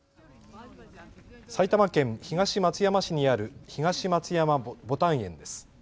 埼玉県東松山市にある東松山ぼたん園です。